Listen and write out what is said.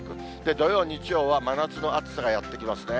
土曜、日曜は真夏の暑さがやって来ますね。